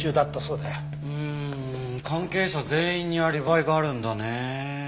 うん関係者全員にアリバイがあるんだね。